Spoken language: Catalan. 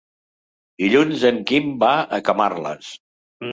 Dilluns en Quim va a Camarles.